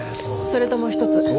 それともう一つ。